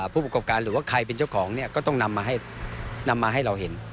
ผู้ประกอบการหรือว่าใครเป็นเจ้าของเนี่ยก็ต้องนำมาให้เราเห็น